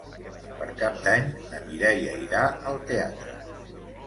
Per Cap d'Any na Mireia irà al teatre.